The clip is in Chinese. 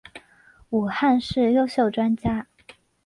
武汉市优秀专家。